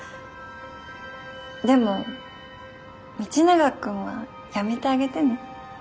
でも道永君はやめてあげてね。